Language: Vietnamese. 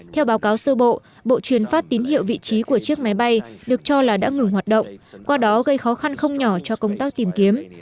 theo báo cáo sơ bộ bộ truyền phát tín hiệu vị trí của chiếc máy bay được cho là đã ngừng hoạt động qua đó gây khó khăn không nhỏ cho công tác tìm kiếm